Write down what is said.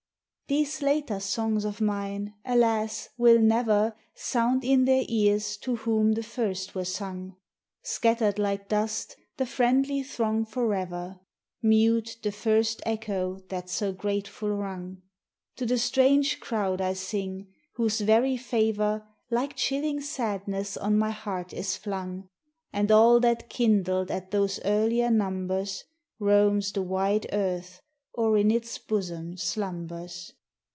These later songs of mine, alas! will never Sound in their ears to whom the first were sung! Scattered like dust, the friendly throng forever! Mute the first echo that so grateful rung! To the strange crowd I sing, whose very favor Like chilling sadness on my heart is flung; And all that kindled at those earlier numbers Roams the wide earth or in its bosom slumbers.